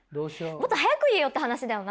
もっと早く言えよっていう話だよな。